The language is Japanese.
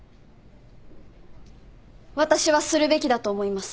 私はするべきだと思います。